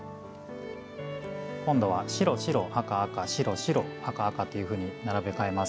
今度は白白赤赤白白赤赤っていうふうに並べ替えます。